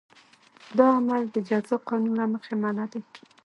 دا عمل د جزا قانون له مخې منع دی.